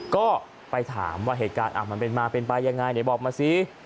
ก็ไปถามว่าเหตุการณ์มันเป็นมาเป็นไปยังไงไหนบอกมาสิ